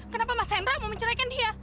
kenapa mas hendra mau menceraikan dia